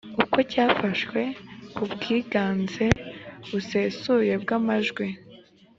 uko cyafashwe ku bwiganze busesuye bw amajwi